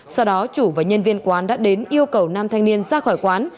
sau đó chủ và nhân viên quán đã đến yêu cầu nam thanh niên ra khỏi quán